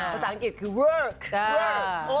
ภาษาอังกฤษคือเวิร์ก